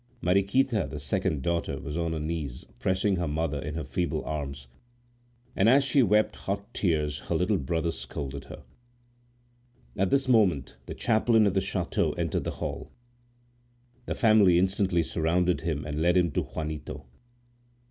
Mariquita, the second daughter, was on her knees pressing her mother in her feeble arms, and as she wept hot tears her little brother scolded her. At this moment the chaplain of the chateau entered the hall; the family instantly surrounded him and led him to Juanito.